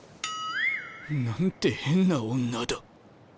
なんて変な女だ。